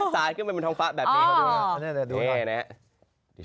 สาดขึ้นเป็นหมุนทองฟ้าแบบนี้